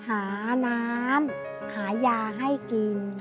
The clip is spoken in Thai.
หาน้ำหายาให้กิน